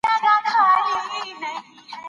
دښتې د افغانستان د شنو سیمو ښکلا ده.